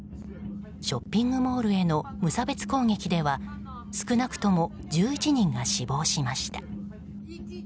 ショッピングモールへの無差別攻撃では少なくとも１１人が死亡しました。